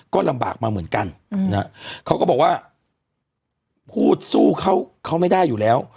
ก็ลำบากมาเหมือนกันเขาก็บอกว่าพูดสู้เขาไม่ได้อยู่แล้ว